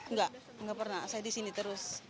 nggak nggak pernah saya disini terus